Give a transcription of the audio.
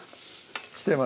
来てます